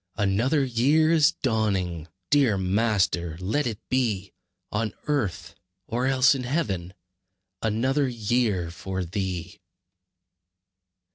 Another year is dawning! Dear Master, let it be On earth, or else in heaven, Another year for Thee!